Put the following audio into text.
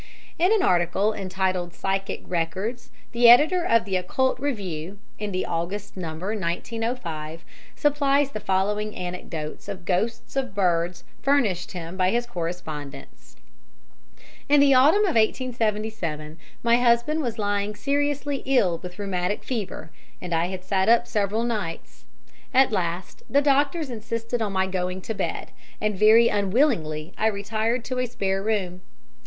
In an article entitled "Psychic Records," the editor of the Occult Review (in the August number, 1905) supplies the following anecdotes of ghosts of birds furnished him by his correspondents. "In the autumn of 1877 my husband was lying seriously ill with rheumatic fever, and I had sat up several nights. At last the doctors insisted on my going to bed; and very unwillingly I retired to a spare room.